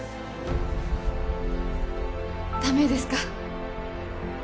駄目ですか？